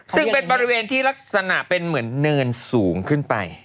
ซึ่งเป็นบริเวณที่ลักษณะเป็นเหมือนเนินสูงขึ้นไป